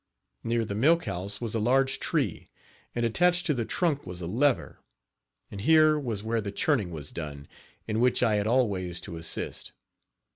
Near the milk house was a large tree, and attached to the trunk was a lever; and here was where the churning was done, in which I had always to assist.